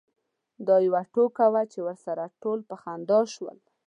دا یوه ټوکه وه چې ورسره ټول په خندا شول.